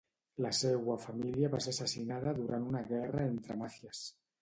La seua família va ser assassinada durant una guerra entre màfies.